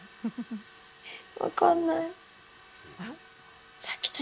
分かんない。